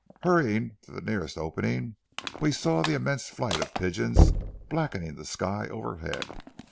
Hurrying to the nearest opening, we saw the immense flight of pigeons blackening the sky overhead.